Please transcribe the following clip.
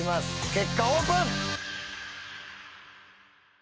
結果オープン。